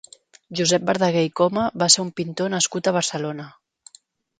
Josep Verdaguer i Coma va ser un pintor nascut a Barcelona.